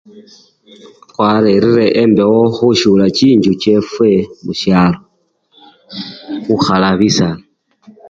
Khwarerere embewo khusyula chinjju chefwe khusyalo, khukhala bisala.